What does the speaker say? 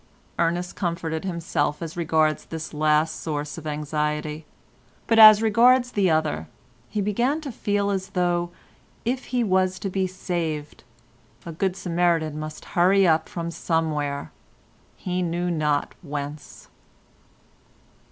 Ernest comforted himself as regards this last source of anxiety, but as regards the other, he began to feel as though, if he was to be saved, a good Samaritan must hurry up from somewhere—he knew not whence.